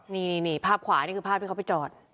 นี่ภาพขวานี่คือภาพที่เขาไปจอด